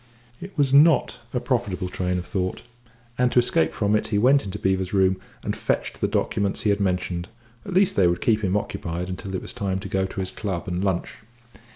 It was not a profitable train of thought, and, to escape from it, he went into Beevor's room and fetched the documents he had mentioned at least they would keep him occupied until it was time to go to his club and lunch.